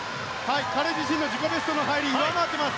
彼自身の自己ベストの入り上回っています。